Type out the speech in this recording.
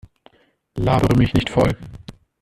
Labere mich nicht voll!